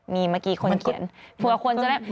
มีเมื่อกี้คนเขียนเผื่อคนจะได้